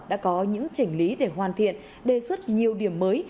đã có những chỉnh lý để hoàn thiện đề xuất nhiều điểm mới